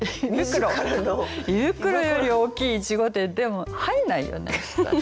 胃袋より大きいいちごってでも入んないよね。